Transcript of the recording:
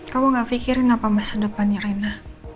kamu gak mikirin apa masa depannya reina